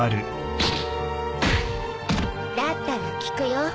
だったら聞くよ。